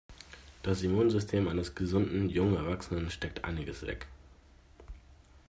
Das Immunsystem eines gesunden, jungen Erwachsenen steckt einiges weg.